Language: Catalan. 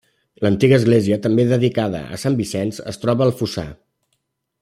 L'antiga església, també dedicada a Sant Vicenç, es troba al fossar.